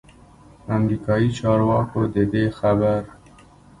امریکايي چارواکو ددې خبر